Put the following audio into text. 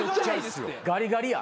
ガリガリや。